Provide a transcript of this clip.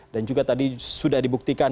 dan juga tadi sudah dibuktikan